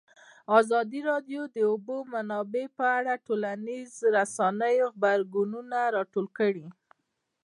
ازادي راډیو د د اوبو منابع په اړه د ټولنیزو رسنیو غبرګونونه راټول کړي.